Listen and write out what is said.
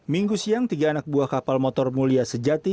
minggu siang tiga anak buah kapal motor mulia sejati